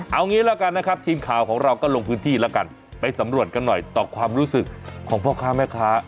เอางี้แล้วกันนะครับทีมข่าวของเราก็ลงพื้นที่แล้วกันไปสำรวจกันหน่อยต่อความรู้สึกของพ่อค้าแม่ค้า